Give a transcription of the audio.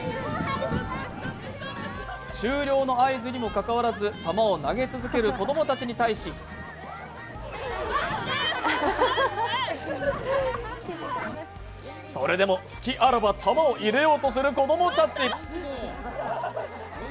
終了の合図にもかかわらず玉を投げ続ける子供たちに対しそれでも隙あらば球を入れようとする子供たち。